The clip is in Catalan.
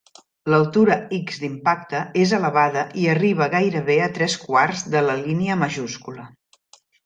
L'altura "x" d'Impact és elevada i arriba gairebé a tres quarts de la línia majúscula.